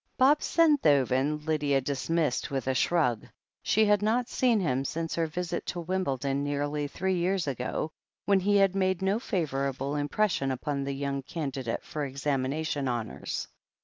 Bob Senthoven Lydia dismissed with a shrug. She had not seen him since her visit to Wimbledon nearly three years ago, when he had made no favourable impression iipon the young candidate for examination honours.